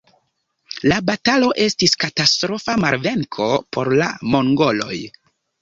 La batalo estis katastrofa malvenko por la mongoloj.